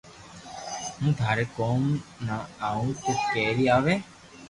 ھون ٿاري ڪوم نا آوو تي ڪي ري آوئ